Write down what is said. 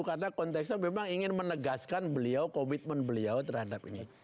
karena konteksnya memang ingin menegaskan beliau commitment beliau terhadap ini